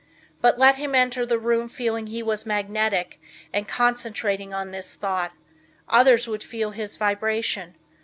But let him enter the room feeling that he was magnetic and concentrating on this thought, others would feel his vibration.